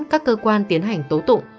các cơ quan tiến hành tố tụng